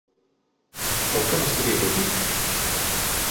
Vol que no s'equivoqui?